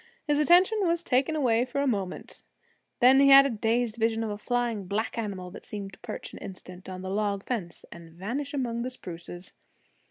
His attention was taken away for a moment; then he had a dazed vision of a flying black animal that seemed to perch an instant on the log fence and vanish among the spruces.